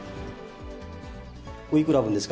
おいくら分ですか？